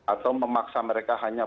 atau memaksa mereka hanya